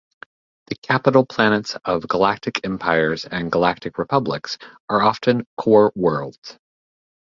The capital planets of galactic empires and galactic republics are often core worlds.